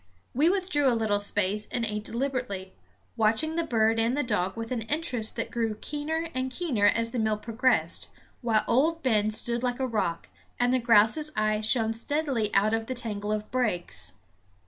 We withdrew a little space and ate deliberately, watching the bird and the dog with an interest that grew keener and keener as the meal progressed, while Old Ben stood like a rock, and the grouse's eye shone steadily out of the tangle of brakes.